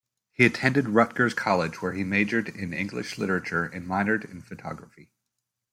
He attended Rutgers College where he majored in English literature and minored in Photography.